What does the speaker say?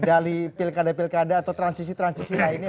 dari pilkada pilkada atau transisi transisi lainnya